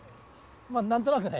まぁ何となくね。